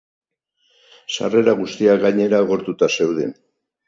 Sarrera guztiak, gainera, agortuta zeuden.